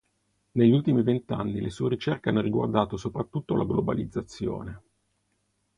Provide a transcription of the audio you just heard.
Negli ultimi vent'anni le sue ricerche hanno riguardato soprattutto la globalizzazione.